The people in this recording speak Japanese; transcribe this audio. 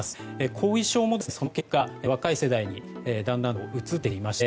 後遺症もその結果、若い世代にだんだんと移ってきていまして。